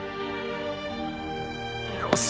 よし！